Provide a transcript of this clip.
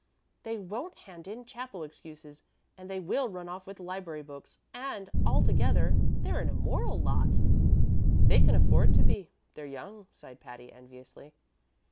They won't hand in chapel excuses, and they will run off with library books, and, altogether, they're an immoral lot." "They can afford to be; they're young," sighed Patty, enviously.